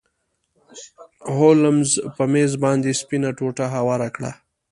هولمز په میز باندې سپینه ټوټه هواره کړه.